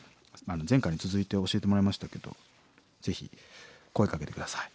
前回に続いて教えてもらいましたけどぜひ声かけて下さい。